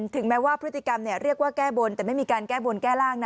ถึงแม้ว่าพฤติกรรมเรียกว่าแก้บนแต่ไม่มีการแก้บนแก้ร่างนะ